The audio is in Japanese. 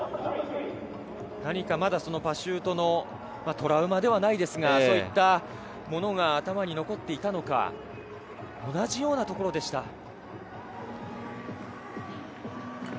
何かまだパシュートのトラウマではないですが、そういったものが頭に残っていたのか、同じようなところでした。